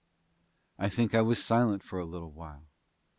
I think I was silent for a little while.